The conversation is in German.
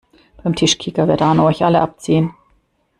Beim Tischkicker wird Arno euch alle abziehen!